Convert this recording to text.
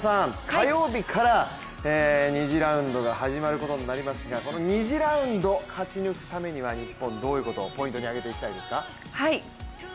火曜日から２次ラウンドが始まることになりますがこの２次ラウンド勝ち抜くためには日本はどういうことをポイントに挙げていきたいですか？